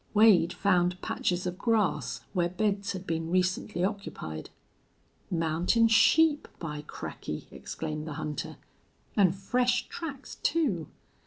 Wade found patches of grass where beds had been recently occupied. "Mountain sheep, by cracky!" exclaimed the hunter. "An' fresh tracks, too!...